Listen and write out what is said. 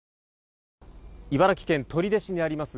茨城県取手市にあります